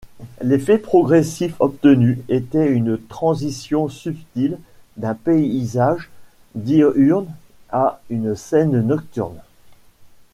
L'effet progressif obtenu était une transition subtile d'un paysage diurne à une scène nocturne.